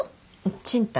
賃貸。